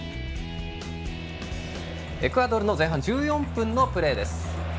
エクアドルの前半１４分のプレー。